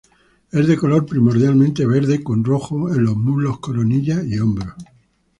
Es de color primordialmente verde, con rojo en los muslos, coronilla y hombros.